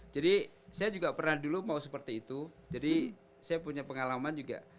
jadi saya juga pernah dulu mau seperti itu jadi saya punya pengalaman juga